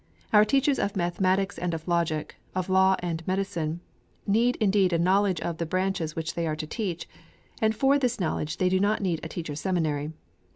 Our teachers of mathematics and of logic, of law and of medicine, need indeed a knowledge of the branches which they are to teach, and for this knowledge they do not need a Teachers' Seminary.